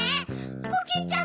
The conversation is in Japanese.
コキンちゃん